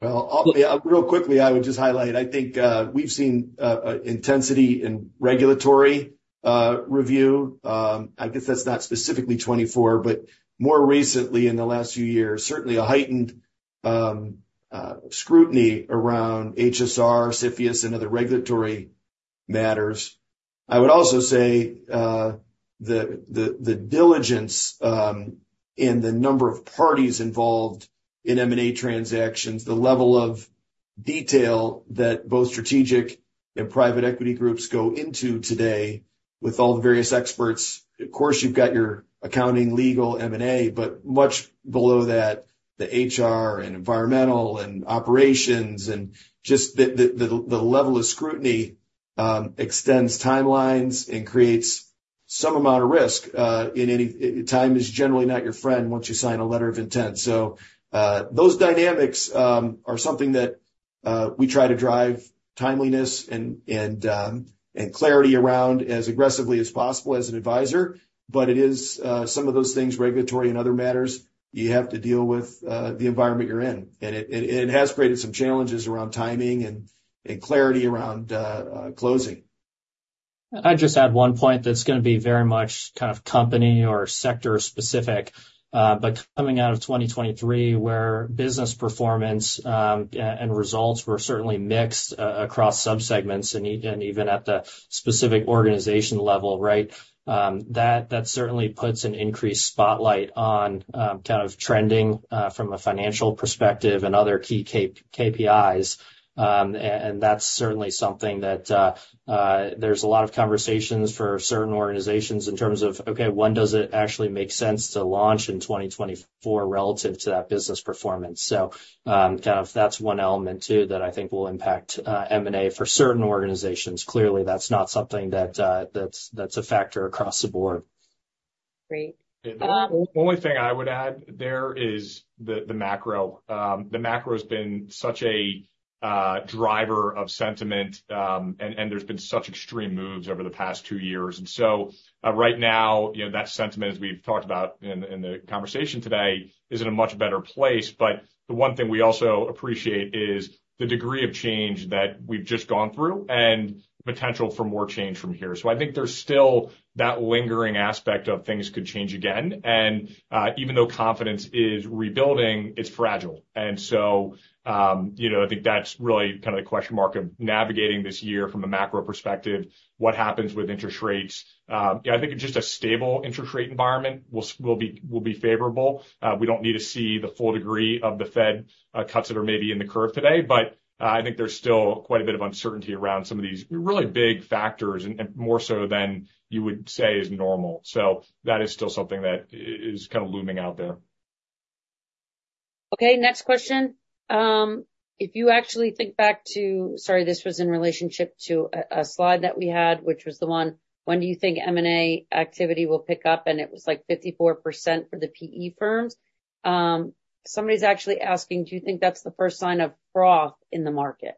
I'll be real quickly. I would just highlight, I think we've seen intensity in regulatory review. I guess that's not specifically 2024, but more recently in the last few years, certainly a heightened scrutiny around HSR, CFIUS, and other regulatory matters. I would also say the diligence in the number of parties involved in M&A transactions, the level of detail that both strategic and private equity groups go into today with all the various experts. Of course, you've got your accounting, legal, M&A, but much below that, the HR and environmental and operations and just the level of scrutiny extends timelines and creates some amount of risk. Time is generally not your friend once you sign a letter of intent. Those dynamics are something that we try to drive timeliness and clarity around as aggressively as possible as an advisor. But it is some of those things, regulatory and other matters, you have to deal with the environment you're in. And it has created some challenges around timing and clarity around closing.
I'd just add one point that's going to be very much kind of company or sector-specific. But coming out of 2023, where business performance and results were certainly mixed across subsegments and even at the specific organization level, right? That certainly puts an increased spotlight on kind of trending from a financial perspective and other key KPIs. And that's certainly something that there's a lot of conversations for certain organizations in terms of, okay, when does it actually make sense to launch in 2024 relative to that business performance? So kind of that's one element too that I think will impact M&A for certain organizations. Clearly, that's not something that's a factor across the board.
Great.
And the only thing I would add there is the macro. The macro has been such a driver of sentiment, and there's been such extreme moves over the past two years. And so right now, you know, that sentiment, as we've talked about in the conversation today, is in a much better place. But the one thing we also appreciate is the degree of change that we've just gone through and potential for more change from here. So I think there's still that lingering aspect of things could change again. And even though confidence is rebuilding, it's fragile. And so, you know, I think that's really kind of the question mark of navigating this year from a macro perspective, what happens with interest rates. I think just a stable interest rate environment will be favorable. We don't need to see the full degree of the Fed cuts that are maybe in the curve today, but I think there's still quite a bit of uncertainty around some of these really big factors and more so than you would say is normal. So that is still something that is kind of looming out there.
Okay. Next question. If you actually think back to, sorry, this was in relationship to a slide that we had, which was the one, when do you think M&A activity will pick up? And it was like 54% for the PE firms. Somebody's actually asking, do you think that's the first sign of froth in the market?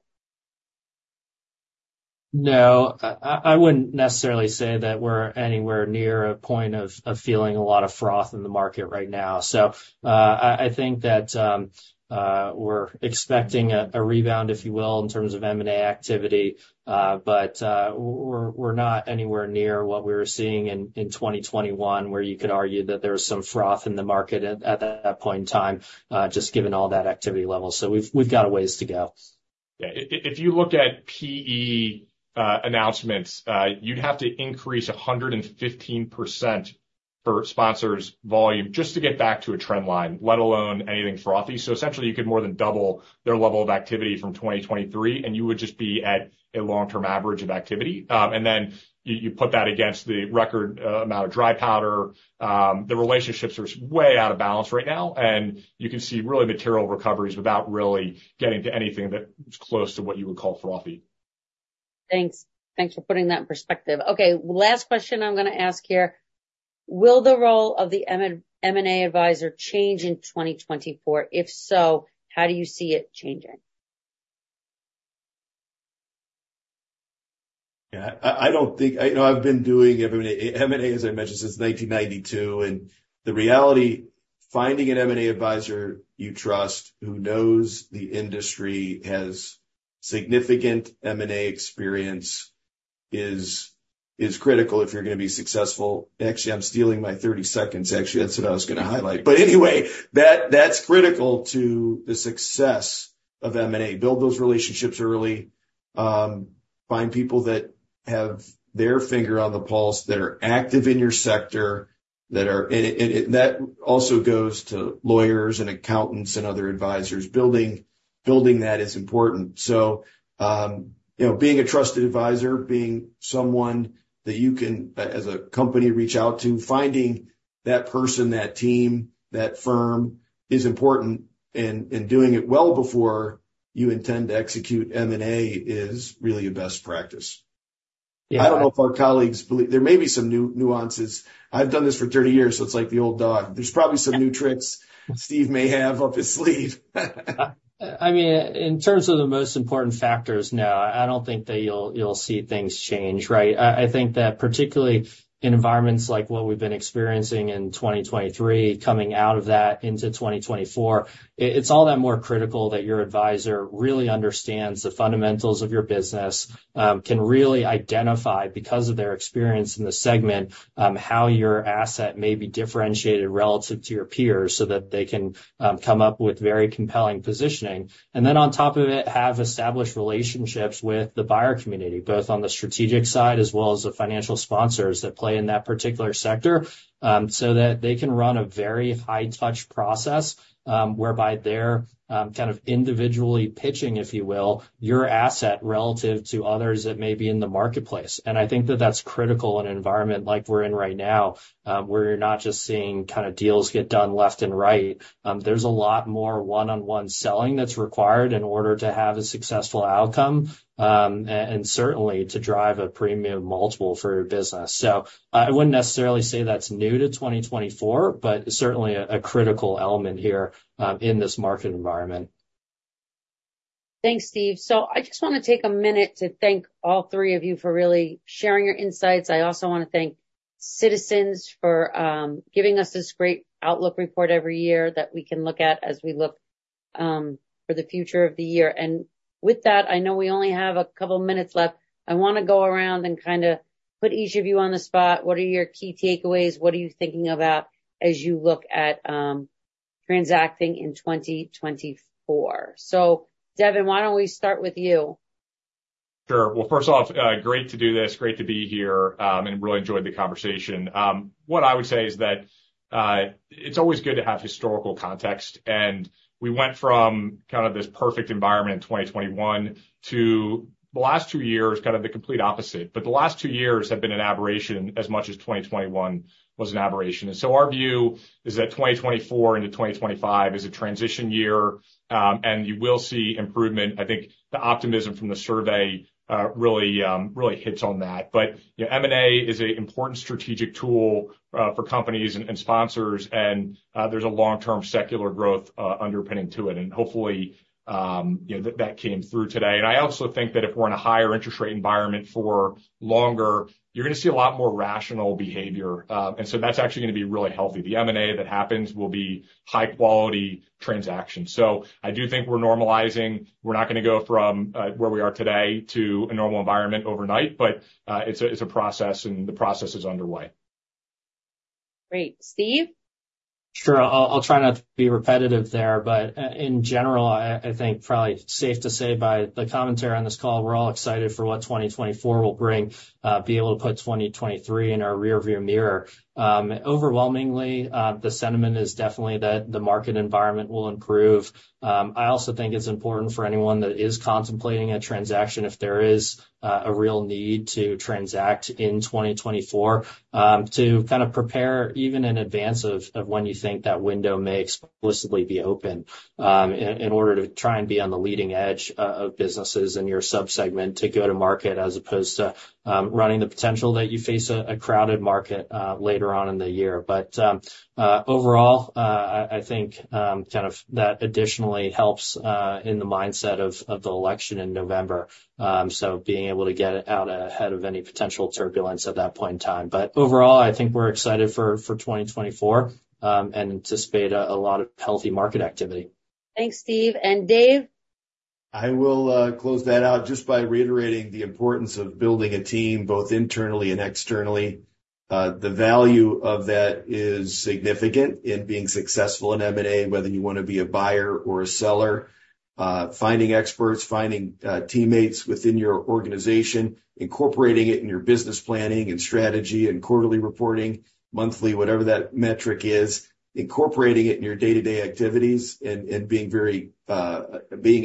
No. I wouldn't necessarily say that we're anywhere near a point of feeling a lot of froth in the market right now. So I think that we're expecting a rebound, if you will, in terms of M&A activity. But we're not anywhere near what we were seeing in 2021, where you could argue that there was some froth in the market at that point in time, just given all that activity level. So we've got a ways to go.
Yeah. If you look at PE announcements, you'd have to increase 115% for sponsors' volume just to get back to a trend line, let alone anything frothy, so essentially, you could more than double their level of activity from 2023, and you would just be at a long-term average of activity, and then you put that against the record amount of dry powder. The relationships are way out of balance right now, and you can see really material recoveries without really getting to anything that's close to what you would call frothy.
Thanks. Thanks for putting that in perspective. Okay. Last question I'm going to ask here. Will the role of the M&A advisor change in 2024? If so, how do you see it changing?
Yeah. I don't think, you know, I've been doing M&A, as I mentioned, since 1992. And the reality, finding an M&A advisor you trust, who knows the industry, has significant M&A experience is critical if you're going to be successful. Actually, I'm stealing my 30 seconds. Actually, that's what I was going to highlight. But anyway, that's critical to the success of M&A. Build those relationships early. Find people that have their finger on the pulse, that are active in your sector, that are, and that also goes to lawyers and accountants and other advisors. Building that is important. So, you know, being a trusted advisor, being someone that you can, as a company, reach out to, finding that person, that team, that firm is important. And doing it well before you intend to execute M&A is really a best practice.
Yeah.
I don't know if our colleagues believe there may be some nuances. I've done this for 30 years, so it's like the old dog. There's probably some new tricks Steve may have up his sleeve.
I mean, in terms of the most important factors now, I don't think that you'll see things change, right? I think that particularly in environments like what we've been experiencing in 2023, coming out of that into 2024, it's all that more critical that your advisor really understands the fundamentals of your business, can really identify, because of their experience in the segment, how your asset may be differentiated relative to your peers so that they can come up with very compelling positioning. And then on top of it, have established relationships with the buyer community, both on the strategic side as well as the financial sponsors that play in that particular sector, so that they can run a very high-touch process whereby they're kind of individually pitching, if you will, your asset relative to others that may be in the marketplace. And I think that that's critical in an environment like we're in right now, where you're not just seeing kind of deals get done left and right. There's a lot more one-on-one selling that's required in order to have a successful outcome and certainly to drive a premium multiple for your business. So I wouldn't necessarily say that's new to 2024, but certainly a critical element here in this market environment.
Thanks, Steve. So I just want to take a minute to thank all three of you for really sharing your insights. I also want to thank Citizens for giving us this great Outlook report every year that we can look at as we look for the future of the year. And with that, I know we only have a couple of minutes left. I want to go around and kind of put each of you on the spot. What are your key takeaways? What are you thinking about as you look at transacting in 2024? So, Devin, why don't we start with you?
Sure. Well, first off, great to do this. Great to be here. And really enjoyed the conversation. What I would say is that it's always good to have historical context. And we went from kind of this perfect environment in 2021 to the last two years, kind of the complete opposite. But the last two years have been an aberration as much as 2021 was an aberration. And so our view is that 2024 into 2025 is a transition year. And you will see improvement. I think the optimism from the survey really hits on that. But M&A is an important strategic tool for companies and sponsors. And there's a long-term secular growth underpinning to it. And hopefully, you know, that came through today. And I also think that if we're in a higher interest rate environment for longer, you're going to see a lot more rational behavior. And so that's actually going to be really healthy. The M&A that happens will be high-quality transactions. So I do think we're normalizing. We're not going to go from where we are today to a normal environment overnight, but it's a process, and the process is underway.
Great. Steve?
Sure. I'll try not to be repetitive there, but in general, I think probably safe to say by the commentary on this call, we're all excited for what 2024 will bring, be able to put 2023 in our rearview mirror. Overwhelmingly, the sentiment is definitely that the market environment will improve. I also think it's important for anyone that is contemplating a transaction, if there is a real need to transact in 2024, to kind of prepare even in advance of when you think that window may explicitly be open in order to try and be on the leading edge of businesses in your subsegment to go to market as opposed to running the potential that you face a crowded market later on in the year. But overall, I think kind of that additionally helps in the mindset of the election in November. So being able to get it out ahead of any potential turbulence at that point in time. But overall, I think we're excited for 2024 and anticipate a lot of healthy market activity.
Thanks, Steve. And Dave?
I will close that out just by reiterating the importance of building a team both internally and externally. The value of that is significant in being successful in M&A, whether you want to be a buyer or a seller. Finding experts, finding teammates within your organization, incorporating it in your business planning and strategy and quarterly reporting, monthly, whatever that metric is, incorporating it in your day-to-day activities and being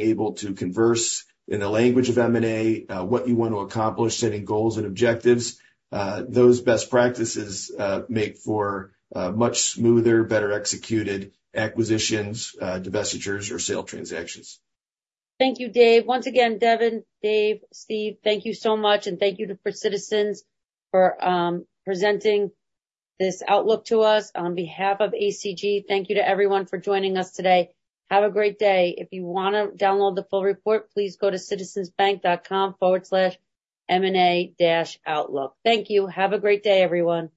able to converse in the language of M&A, what you want to accomplish, setting goals and objectives. Those best practices make for much smoother, better executed acquisitions, divestitures, or sale transactions.
Thank you, Dave. Once again, Devin, Dave, Steve, thank you so much. And thank you to Citizens for presenting this Outlook to us on behalf of ACG. Thank you to everyone for joining us today. Have a great day. If you want to download the full report, please go to citizensbank.com/mna-outlook. Thank you. Have a great day, everyone.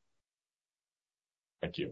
Thank you.